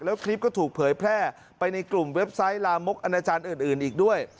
แล้วคลิปก็ถูกเผยแพร่ไปในกลุ่มเว็บไซต์ลามกอนาจารย์อื่นอีกด้วย